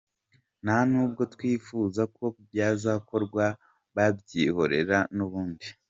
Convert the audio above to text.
Nta nubwo twifuza ko byazakorwa, babyihorera n’ubundi.